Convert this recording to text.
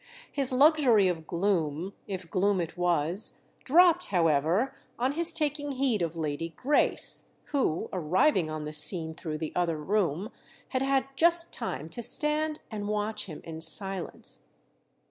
His luxury of gloom—if gloom it was—dropped, however, on his taking heed of Lady Grace, who, arriving on the scene through the other room, had had just time to stand and watch him in silence.